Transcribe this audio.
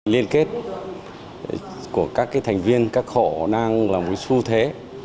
liên kết của các thành viên các hộ đang làm một su thế